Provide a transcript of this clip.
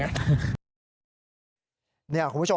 เนี่ยคุณผู้ชมฮะ